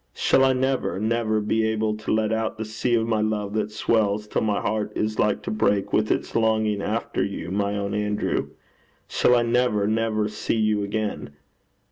Shall I never, never be able to let out the sea of my love that swells till my heart is like to break with its longing after you, my own Andrew? Shall I never, never see you again?